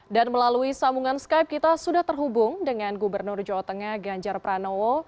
dan melalui sambungan skype kita sudah terhubung dengan gubernur jawa tengah ganjar pranowo